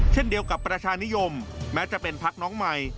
เช่นเดียวกับประชานิยมแม้จะเป็นพักน้องใหม่